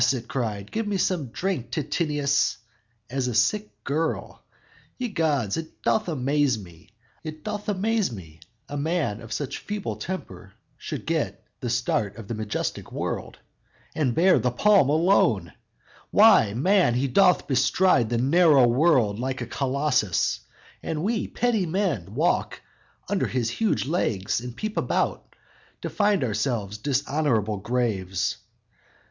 it cried, 'Give me some drink, Titinius,' As a sick girl. Ye gods, it doth amaze me, A man of such a feeble temper should So get the start of the majestic world And bear the palm alone! Why, man, he doth bestride the narrow world Like a Colossus; and we petty men Walk under his huge legs, and peep about To find ourselves dishonorable graves.